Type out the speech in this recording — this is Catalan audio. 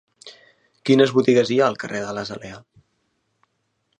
Quines botigues hi ha al carrer de l'Azalea?